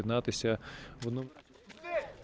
dan datang bersama sama untuk berjumpa